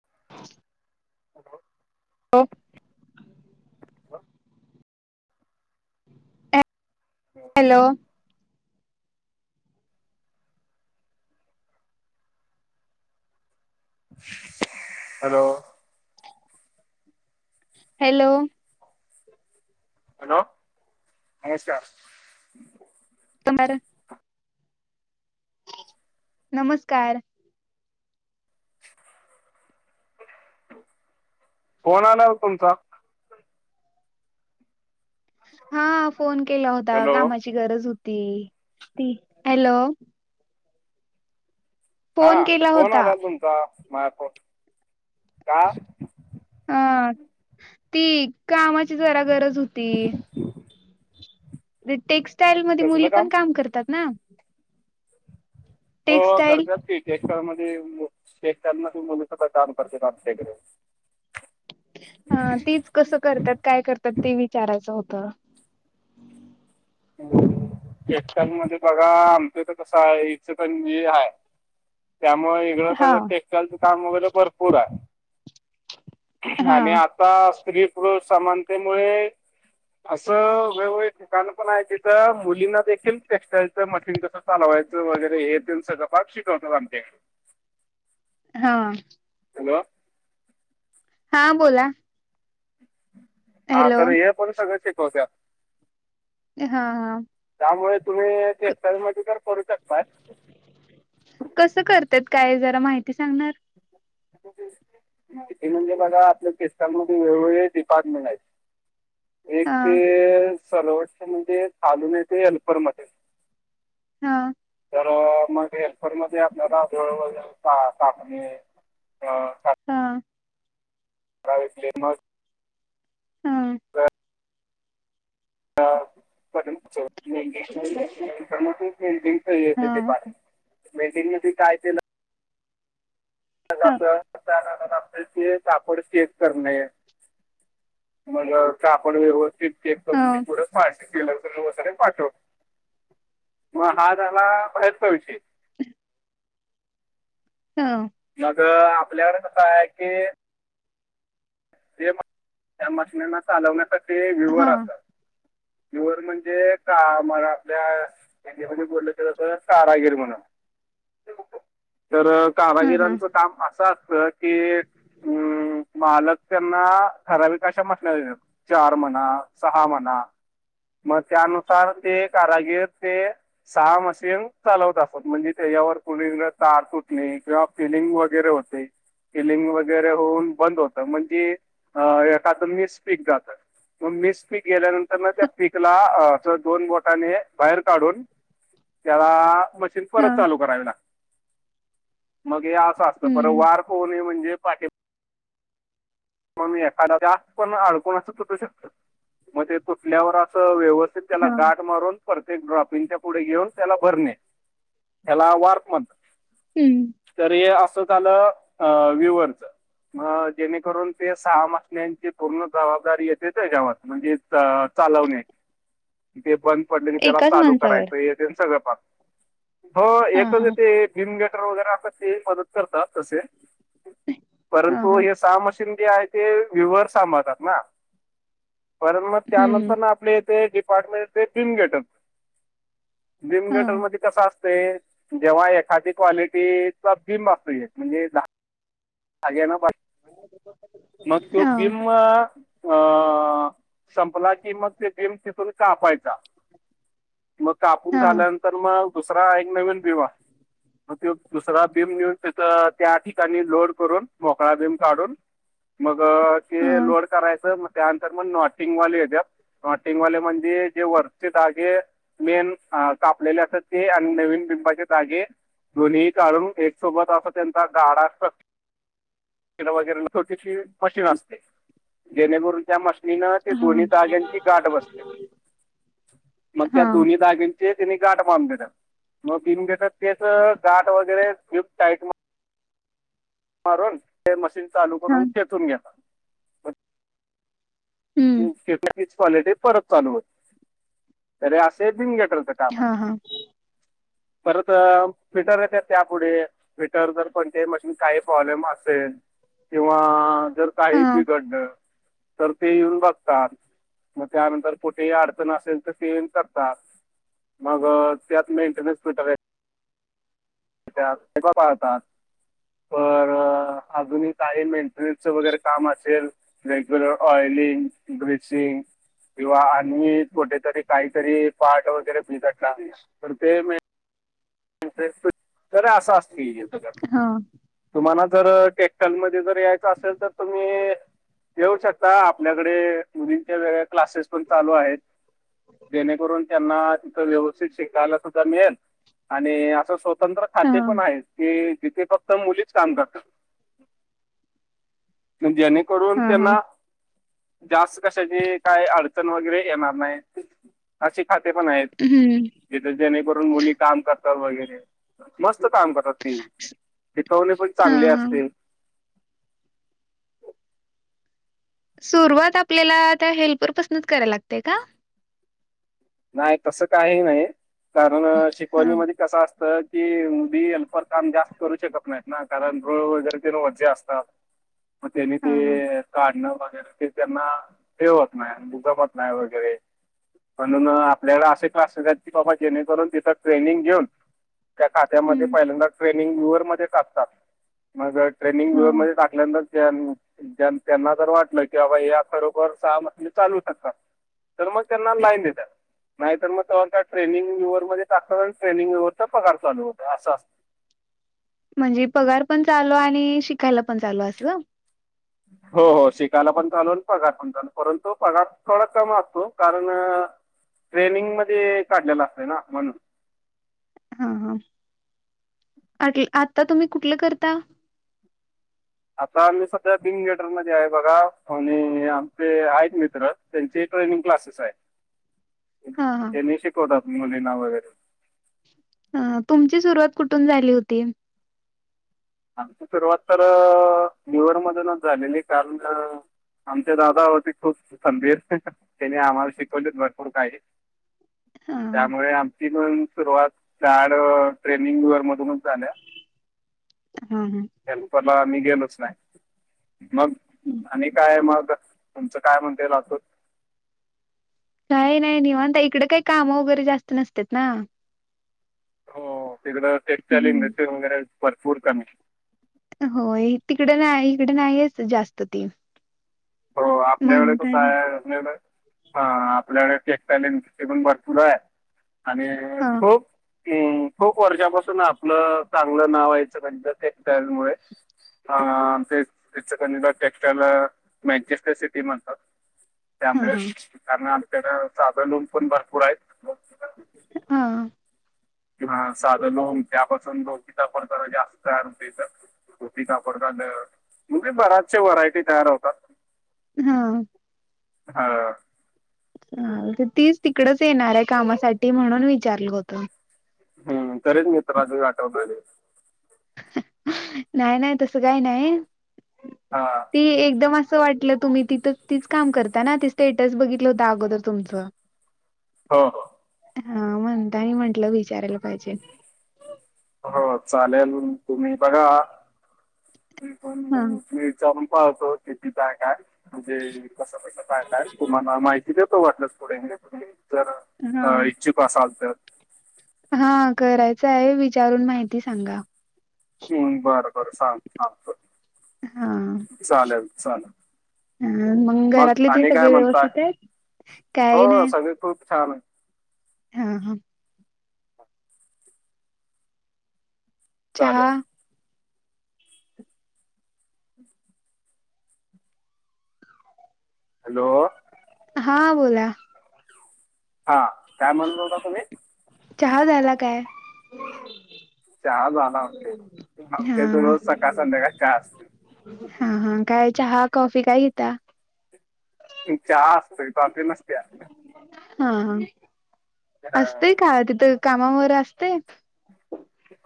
[inaudible] [unintelligible] Hello. Hello. Hello- हायसा- तोमारा- नमस्कार- फोन आलाय ओ तुमचा. हां फोन केला होता हॅलो कामाची गरज होती ती. हॅलो- फोन हां केला फोन होता आलेला तुमचा माझ्या फोन का? हां ती कामाची जरा गरज होती? टेक्स्टाइल मध्ये मुली पण काम करतात ना हो टेक्स्टाईल करतात ते शेतकामध्ये शेतकऱ्यांना मुलीस काम करतेात आमच्याकडे ह तेच कसं करतात काय करतात ते विचारायचं होतं एककांमध्ये बघा आमच तर कसं आहे याच पण आहे? त्यामुळे इकड हा कस टेक्स्टाईलच काम वगैरे भरपूर आहे हा आणि स्त्री पुरुष समानतेमुळे असं वेगवेगळ ठिकाण य तर मुलींना देखील टेक्स्टाईलचं मशीन कसं चालवायचं वगैरे हे ते सगळं पाक शिक [unintelligible] हा. हॅो हां बोला? हा हॅलो तर हे पण शिकवत्यात. हा हा. त्यामुळे तुम्ही ते टेक्सटाइल मध्ये तें करू शकताय. कस करतात काय जरा माहिती सांगणार? इथ म्हणजे बघा आपल्या किस्तांमध्ये वेगवेगळे डिपार्टमेंट आहेत? एक हा ते चालून येते एल्परमध्येध्ये हा. तर मग हेल्परमध्ये आपल्याला जवळ पणी हा. काय फेमस. हा इफर्मोशन हा [unintelligible] मेंडिग मध्ये काय ते ह [unintelligible] ते कापड चेक करणे म कापड व्यवस्थित चेक ह करून ते पुढ. पाठ केल वगैरे पाठव मग हा झाला बाहेरचा विषय. हम्म. मग आपल्याकडे कसं आहे की. ज त्या मशनना चालवण्यासाठी व्यूहर हां, असतात? व्हयुवर हणजे का मला आपल्या हिंदीमध्ये बोललं जातं कारागीर म्हणून हां, हां, त्यांचं काम असं असतं की. ह मालक त्यांना ठराविक अशा मशना देतात चार म्हणा सहा म्हणा. मग त्यानुसार ते कारागीर ते सहा मशीन चालवत असत म्हणजे, त्याच्यावर कुणी तार तुटणे किंवा फिलिंग वगैरे होते? किलिंग होऊन बंद होतं. म्हणजे अ स्पीक जातं. मग मिस पीक गेल्यानंतर ना त्या पीकला दोन बोटाने बाहेर काढून. त्याला, मशीन परत हां, चालू करावी ना. मग हे असं असतं, बर हं, हं, वार कोणे म्हणजे पाे मण एखादा जास्त पण अडकण अस तुटू शकत मग ते तुटल्यावर असं व्यवस्. त्याला हां, गाठ मारून, परतेक ड्रॉपिंगच्या पुढे घेऊन, त्याला भरणे त्याला वार्त म्हणत? हम्म, तर हे असं आलं व्ह्युअरच जेणेकरून, ते सहा मशीनी आणि ती पूर्ण जबाबदारी येतेेच गावात म्हणजे, चालवने. [inaudible] ते बंद पडलेले त्याला एकाच चालू माणसावर. करायचं. हे ते सगळं प म हो हां, एकच हां, ते गिमगटर वगैरे असतात ते मदत करतात तस, हां, परंतु हां, हे सहा मशीन जे आहे ते विवर सांभाळतात ना. परत मग हं, हं, त्यानंतर आपले ते डिपार्टमेंट बिम गेटन बिम गेटन हां, मध्ये, कसा असत जेव्हा एखादी क्वालिटी चा [unintelligible] म्हणजे दहा अगे ना पा [inaudible] मग तो हां, बिंब अ.. संपला की मग ते बिंब तिथून कापायचा,.. मग कापून हां, झाल्यानंतर मग दुसरा एक नवीन बिंब. मग तो दुसरा बिम नेऊन तिथं. त्या ठिकाणी लोड करून मोकळा बिम काढून मग ते हां, लोड करायचं मग त्यानंतर मग नॉटिंगवाले येत्यात? नॉटिंगवाले म्हणजे जे वरचे धागे. मेन कापलेले असत्यात ते आणि नवीन बिंबाचे धागे. दोन्ही काढून एक सोबत असं त्यांचा गाडा [unintelligible] वगैरे छोटीशी मशीन असते. जेणेकरून त्या मशी निन त्या दोन्ही हां, धाग्यांची गाठ बसते,.. मग त्या हां, दोन्ही धाग ते त्यांनी गाठ मारून देतात मग बिम देतात तेच गाठ वगैरे टाईट म [inaudible] मारून ते मशीन चालू हां, करून खेचून घेतात.? मग हं, तिचं क्वालिटी परत चालू होते? तरी असे बिंब गेटर काम आहे. हां, हां, परत पिटर येत त्या पुुढे पीटर जर कोणत्याही मशीनच काही प्रॉब्लेम असेल किंवा, जर काही हां, बिघडलं तर ते येऊन बघतात. मग त्यानंतर कुठेही अडचण असेल तर ते येऊन करतात. मग त्यात मेंटेनन्स भेटा त्यात [unintelligible] पाळतात. बर, अजूनही काही मेंटेनन्सच वगैरे काम असेल? रेग्युलर, ऑइलिंग, ब्लिचिंग किंवा आणि कुठेतरी काहीतरी पाठ वगैरे बिघडला नाही. तर ते तर, अस असतय हां, तुम्हाला जर टेक्स्टाइल मध्ये, जर यायच असेल. तर तुम्ही येऊ शकता? आपल्याकडे मुलिंच्या वेगळ्या क्लासेस पण चालू आहेत. जेणेकरून त्यांना, तिथं व्यवस्थित शिकायला सुद्धा मिळेल आणि असं स्वतंत्र हां, खाते पण आहे. की तिथे फक्त मुलीच काम करतात, जेणे करून हां, हां, त्यांना जास्त कशाची काय अडचण वगैरे येणार नाही अशी खाते पण आहेत. हम्म. जिथे जेणेकरून मुली काम करतात वगैरे मस्त काम करतात. शिकवणे पण चांगले हां, हां. असते. सुरुवात आपल्याला त्या हेल्पर पाासूनच करायला लागते का? नाही तसं काहीही नाही कारण हां, शिकवणीमध्ये कस असतं. कि मुली हेल्फर काम जास्त करू शकत नाहीत ना कारण रूळ वगैरे वजे असतात. [inaudible] मग त्यांनी हां, हां, ते काढणं वगैरे ते त्यांना हे होत नाही जमत नाही वगैरे. म्हणून आपल्याला असे क्लासेस की बाबा जेणेकरून तिथ ट्रेनिंग घेऊन त्या खात्यामध्ये हं, पहिल्यांदा ट्रेनिंग व्यर मध्ये टाकतात मग ट्रेनिंग व्यर हां. म नंतर त्यांना, त्यांना जर वाटलं की बाबा या खरोखर सहा महिने चालू शकतात. तर मग त्यांना लाईन देत. नाही तर मग तेव्हा त्या ट्रनंग व्यू्हर मध्ये टाक आणि ट्रेनिंग व्य्हरचा प्रकार चालू होत असं असतं म्हणजे पगार पण चालू आणि शिकायला पण चालू असं हो हो शिकायला पण चालू पगार पण चालू परंतु पगार थोडा कम असतो कारण ट्रेनिंग मध्ये काढलेला असत ना म्हणून, हा ह आ आता तुम्ही कुठलं करता? आता आम्ही सध्या बिंग गलेटरमध्येध्ये आहे बघा आणि आमचे आहेत मित्र त्यांचे ट्रेनिंग क्लासेस आहे हां, हां. त्यांनी शिकवतात मुलीना वगैरे अ तुमची सुरुवात कुठून झाली होती. आमची सुरुवात तर [unintelligible] कारण आमच्या दादा होते खूप खंबीर त्याने आम्हाला शिकवले भरपूर काही, अ हा त्यामुळे आमची पन सुरुवात झाड ट्रेनिंग वर मधूनच झाल्या. हा हा हेल्परला मी गेलोच नाही मग आणि काय मग. तुमचं काय म्हण येल असं. नाही नाही नाही निवांत इकडे काही कामं वगैरे जास्त नसत ना. हो तिकडं टेक्स्टाइल हम्म. इंडस्ट्री वगैरे भरपूर कमी. होय तिकडे नाही, इकडं नाहीयच जास्त ती. हो आपल्याकडे कसं म्हणताने आहे आपल्याकडे. हा आपल्याकडे टेक्स्टाइल इंडस्ट्री पण भरपूर आहे आणि हा खूप हम्म खूप वर्षापासून आपलं चांगलं नाव हाय इचलकरंजीच्या टेक्सटाईल मुळे. हा आम तेच टेक्स्टाईल मॅनचेस्टर सिटी म्हणतात हा त्यामुळे. हा कारण आमच्याकडे साधं लोण पण भरपूर आहेत. हा किंवा साध लोन त्यापासून लो किता पडताना जास्त तयार होते [inaudible] धोती कापड झालं [unintelligible] व्हरायटी तयार होतात हा हा हां तीच तिकडच येणार आहे कामासाठी म्हणून विचारल होत. हम्म तरीच मित्र आज आठवतोय. नाय नाय तस काही नाही हा. ती एकदम असं वाटलं तुम्ही तिथं तीच काम करता ना त स्टेटस बघितलं होता अगोदर तुमचं. हो हो. हा म्हणता आणि म्हंटलं विचारायला पाहिजे. हो चालेल तुम्ही बघा, मी पण. हा. मी जाऊन पाहतो किती काय काय म्हणजे कसं कसं काय काय तुम्हाला माहित ती देतो वाटल्यास पुढे मी, हा. जर इच्छुक असाल तर. हा करायचं आहे विचारून माहिती सांगा. हम्म बरं बरं चालेल सांगतो, हा चालेल चालेल. हम्म मग घरातले ते आणि काय सगळे म्हणताय व्यवस्थित आहेत, काही हो नाही. सगळे खूप छान आहे. हा हा. चहा. चालेल हॅलो! हा बोला. हा काय म्हणत होता तुम्ही? चहा झाला काय. हो चहा झाला होते. हफ्त्यातून रोज सकाळ संध्याकाळ चहा असते. हा हा काय चहा कॉफी काय घिता? चहा असतय कॉफी नसतिया हा हा अं, असतेय का तिथं कामावर असतय.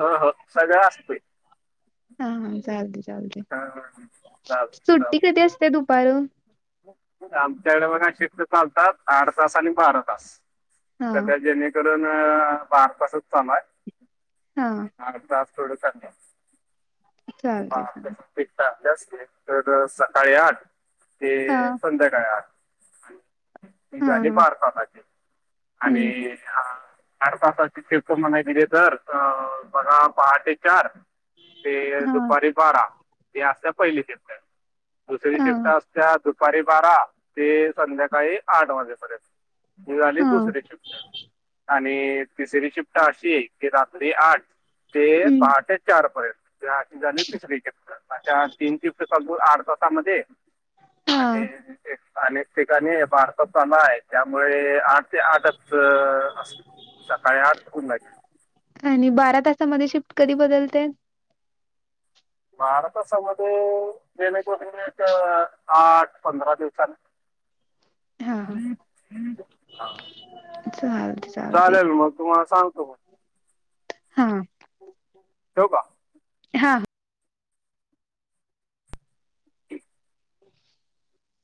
हो हो सगळं असतय. हा हा चालते चालते. सुट्टी कधी असते दुपारु बघा आमच्याकडे बघा शिफ्ट चालतात आठ तास आणि बारा तास. हा सध्या जेणे करून बारा तासच काम आहे. हा. बारा तास [unintelligible] चालते चालते [unintelligible] तर सकाळी आठ हा ते संध्याकाळी आठ. ती हा झाली हा बारा तासाची आणि हम्म आणि चार तसाची शिफ्ट म्हणाय गेली तर अह बघा पहाटे चार ते हा दुपारी बारा ते असत पहिली शिफ्ट. दुसरी हा शिफ्ट असत्या दुपारी बारा ते संध्याकाळी आठ वाजेपर्यंत. ही झाली हा दुसरी शिफ्ट. आणि तिसरी शिफ्ट अशी की रात्री आठ ते हम्म पहाटे चार पर्यंत झा झाली तिसरी शिफ्ट अश्या तीन तिफ्ट संपवून आठ तासामध्ये आणि हा अनेक ठिकाणी भारताचा [unintelligible] त्यामुळे आठ ते आठच सकाळी आठ [unintelligible] आणि बारा तासामध्ये शिफ्ट कधी बदलते? बारा तासा मध्ये [unintelligible] आठ पंधरा दिवसाने हा हा [inaudible] चालते चालते चालेल मग तुम्हाला सांगतो मग, हा ठेवू का? हा